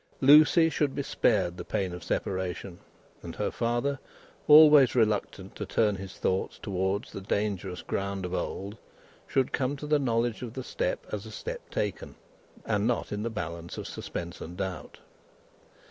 Lucie should be spared the pain of separation; and her father, always reluctant to turn his thoughts towards the dangerous ground of old, should come to the knowledge of the step, as a step taken, and not in the balance of suspense and doubt.